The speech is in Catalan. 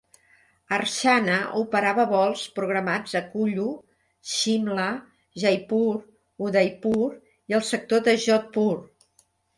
Archana operava vols programats a Kullu, Shimla, Jaipur, Udaipur i el sector de Jodhpur.